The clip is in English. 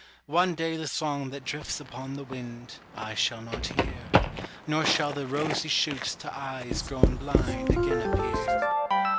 One day the song that drifts upon the wind, I shall not hear; Nor shall the rosy shoots to eyes grown blind Again appear.